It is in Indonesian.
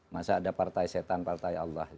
masa ada partai setan partai allah